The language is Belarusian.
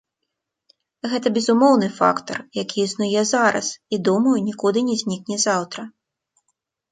Гэта безумоўны фактар, які існуе зараз, і, думаю, нікуды не знікне заўтра.